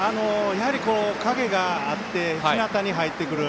やはり影があってひなたに入ってくる。